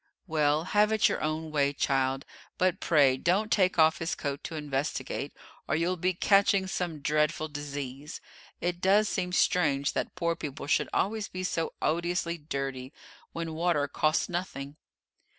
"Well, have it your own way, child; but pray don't take off his coat to investigate, or you'll be catching some dreadful disease. It does seem strange that poor people should always be so odiously dirty, when water costs nothing."